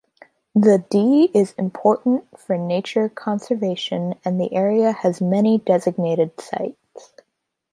The Dee is important for nature conservation and the area has many designated sites.